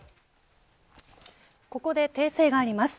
ここで訂正があります。